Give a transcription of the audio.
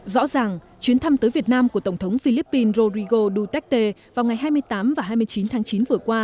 rõ ràng chuyến thăm tới việt nam của tổng thống philippines rodrigo duterte vào ngày hai mươi tám và hai mươi chín tháng chín vừa qua